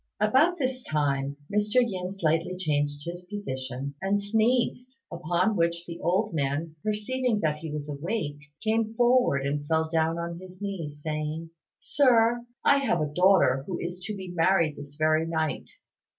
About this time Mr. Yin slightly changed his position, and sneezed; upon which the old man, perceiving that he was awake, came forward and fell down on his knees, saying, "Sir, I have a daughter who is to be married this very night.